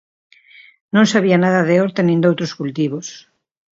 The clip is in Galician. Non sabía nada de horta nin doutros cultivos.